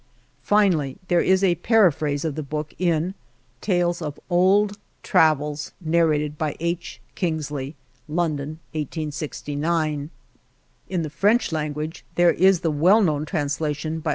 Finally there is a paraphrase of the book in Tcdes of Old Travels, Nar rated by H. Kingsley, London, 1869. In the French language there is the well known translation by H.